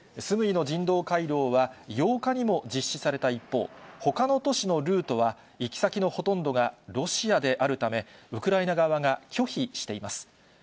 スムイの人道回廊は、８日にも実施された一方、ほかの都市のルートは、行き先のほとんどがロシアであるため、ウクライナ側が拒否しています。